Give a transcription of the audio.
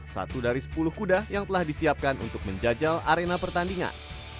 satu dari sepuluh kuda yang telah disiapkan untuk menjajal arena pertandingan